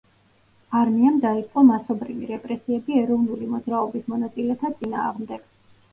არმიამ დაიწყო მასობრივი რეპრესიები ეროვნული მოძრაობის მონაწილეთა წინააღმდეგ.